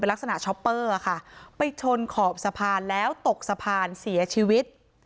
ลักษณะช็อปเปอร์ค่ะไปชนขอบสะพานแล้วตกสะพานเสียชีวิต